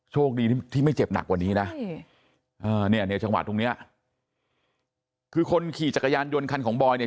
โชคดีที่ไม่เจ็บหนักกว่านี้นะเนี่ยจังหวะตรงเนี้ยคือคนขี่จักรยานยนต์คันของบอยเนี่ย